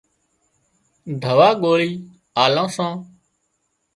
دوا ڳوۯِي آلان سان